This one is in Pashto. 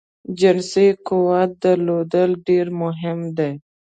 جنسی قوت درلودل ډیر مهم دی